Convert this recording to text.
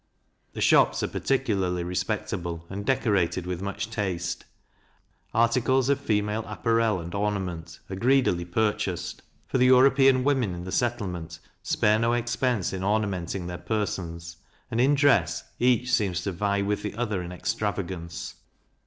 The shops are particularly respectable, and decorated with much taste. Articles of female apparel and ornament are greedily purchased; for the European women in the settlement spare no expense in ornamenting their persons, and in dress, each seems to vie with the other in extravagance.